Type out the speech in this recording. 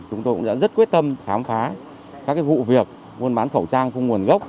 chúng tôi cũng đã rất quyết tâm khám phá các vụ việc buôn bán khẩu trang không nguồn gốc